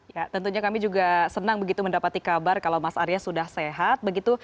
ya tentunya kami juga senang begitu mendapati kabar kalau mas arya sudah sehat begitu